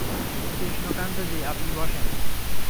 কৃষ্ণকান্ত জি, আপনি বসেন।